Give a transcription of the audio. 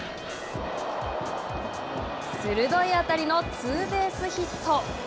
鋭い当たりのツーベースヒット。